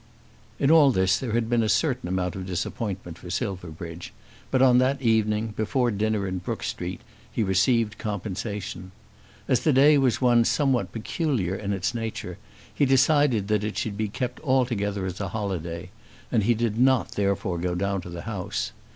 In all this there had been a certain amount of disappointment for Silverbridge; but on that evening, before dinner in Brook Street, he received compensation. As the day was one somewhat peculiar in its nature he decided that it should be kept altogether as a holiday, and he did not therefore go down to the House.